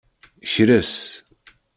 Kres.